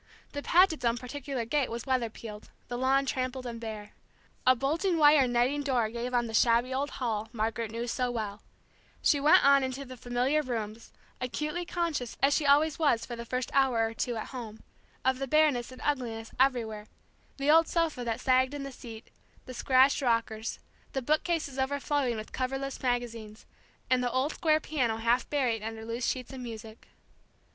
The Pagets' own particular gate was weather peeled, the lawn trampled and bare. A bulging wire netting door gave on the shabby old hall Margaret knew so well; she went on into the familiar rooms, acutely conscious, as she always was for the first hour or two at home, of the bareness and ugliness everywhere the old sofa that sagged in the seat, the scratched rockers, the bookcases overflowing with coverless magazines, and the old square piano half buried under loose sheets of music.